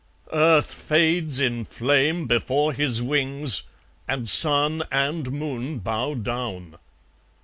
Earth fades in flame before his wings, And Sun and Moon bow down."